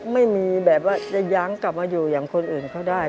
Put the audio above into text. ไม่มีแบบว่าจะยั้งกลับมาอยู่อย่างคนอื่นเขาได้